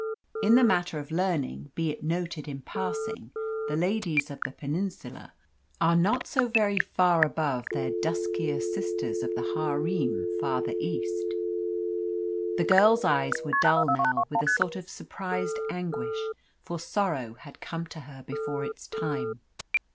In the matter of learning, be it noted in passing, the ladies of the Peninsula are not so very far above their duskier sisters of the harem farther east. The girl's eyes were dull now, with a sort of surprised anguish, for sorrow had come to her before its time.